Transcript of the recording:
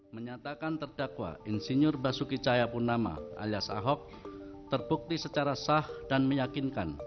menyatakan terdakwa insinyur basuki cahayapunama alias ahok terbukti secara sah dan meyakinkan